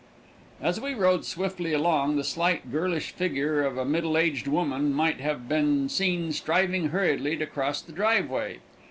As we rode swiftly along, the slight, girlish figure of a middle aged woman might have been seen striving hurriedly to cross the driveway.